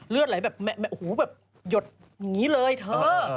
เรือดอะไรแบบหูแบบหยดอย่างนี้เลยเธอ